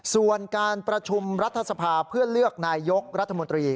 ส่วนการประชุมรัฐสภาเพื่อเลือกนายยกรัฐมนตรี